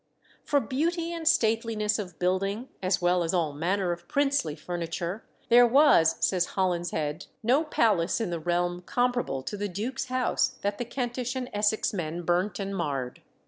For beauty and stateliness of building, as well as all manner of princely furniture, there was, says Holinshed, no palace in the realm comparable to the duke's house that the Kentish and Essex men burnt and marred.